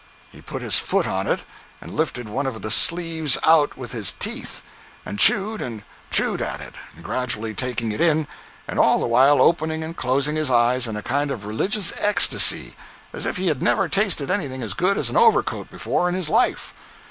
He put his foot on it, and lifted one of the sleeves out with his teeth, and chewed and chewed at it, gradually taking it in, and all the while opening and closing his eyes in a kind of religious ecstasy, as if he had never tasted anything as good as an overcoat before, in his life.